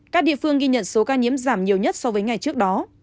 các địa phương ghi nhận số ca nhiễm giảm nhiều nhất so với ngày trước đó